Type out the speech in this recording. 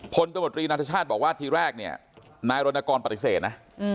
ตมตรีนาธชาติบอกว่าทีแรกเนี่ยนายรณกรปฏิเสธนะ